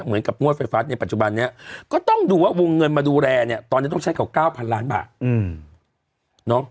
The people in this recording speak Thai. เหมือนกับงวดไฟฟ้าในปัจจุบันนี้ก็ต้องดูว่าวงเงินมาดูแลเนี่ยตอนนี้ต้องใช้เก่า๙๐๐ล้านบาท